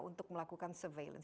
untuk melakukan surveillance